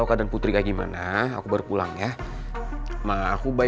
udah pulang aja ke rumah kamu